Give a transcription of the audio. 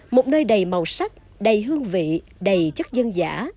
một nơi đầy màu sắc đầy hương vị đầy chất dân giả